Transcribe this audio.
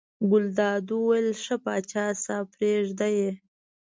ګلداد وویل ښه پاچا صاحب پرېږده یې.